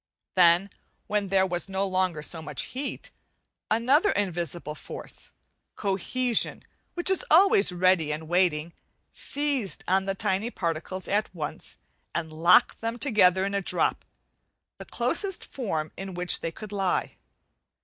Then, when there was no longer so much heat, another invisible force, cohesion, which is always ready and waiting, seized on the tiny particles at once, and locked them together in a drop, the closest form in which they could lie.